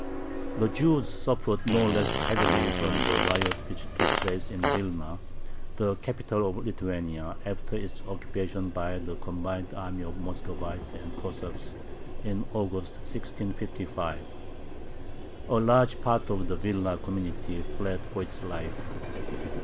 The Jews suffered no less heavily from the riot which took place in Vilna, the capital of Lithuania, after its occupation by the combined army of Muscovites and Cossacks in August, 1655. A large part of the Vilna community fled for its life.